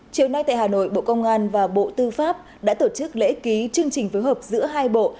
chiều nay tại hà nội bộ công an và bộ tư pháp đã tổ chức lễ ký chương trình phối hợp giữa hai bộ